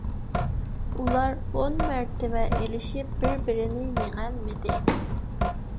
ئۇلار ئون مەرتىۋە ئېلىشىپ بىر - بىرىنى يېڭەلمىدى.